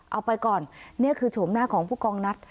เอาไปก่อนนี่คือโฉมหน้าของผู้กองนัด